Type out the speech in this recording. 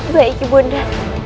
baik ibu nda